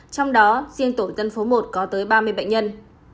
trong đó riêng tổ tân phố một có tới ba mươi bệnh nhân